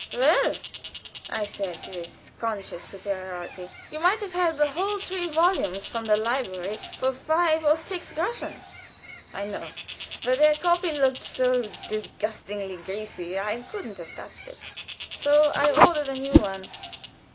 "Well," said I, with conscious superiority, "you might have had the whole three volumes from the library for five or six groschen." "I know. But their copy looked so disgustingly greasy I couldn't have touched it; so I ordered a new one."